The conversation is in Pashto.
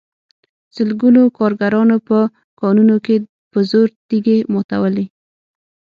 سلګونو کارګرانو په کانونو کې په زور تېږې ماتولې